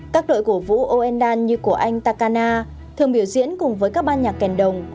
các đội cổ vũ oendan như của anh takana thường biểu diễn cùng với các ban nhạc kèn đồng